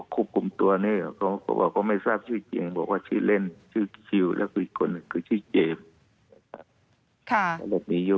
กูไม่ทราบชื่อเกียงบอกว่าชื่อเล่นชื่อแล้วก็อีกคนนึงคือชื่อเจมส์